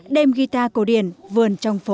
đem guitar cổ điển vườn trong phố